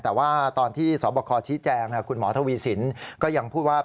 แต่ว่าตอนที่สบคชี้แจงคุณหมอทวีสินก็ยังพูดว่า